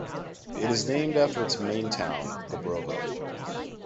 It is named after its main town - Gabrovo.